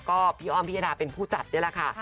ก็พี่อ้อมพิยดาเป็นผู้จัดนี่แหละค่ะ